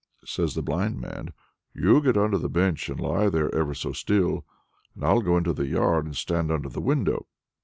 says the blind man, "you get under the bench, and lie there ever so still, and I'll go into the yard and stand under the window.